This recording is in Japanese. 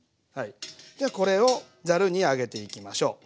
これをざるにあげていきましょう。